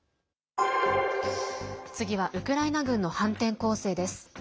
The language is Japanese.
次はウクライナ軍の反転攻勢です。